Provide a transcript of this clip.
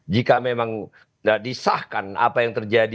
jika memang tidak disahkan apa yang terjadi